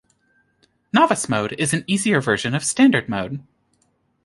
"Novice Mode" is an easier version of "Standard Mode".